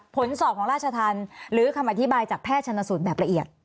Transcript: ผลสอบของราชธรรมหรือคำอธิบายจากแพทย์ชนสูตรแบบละเอียด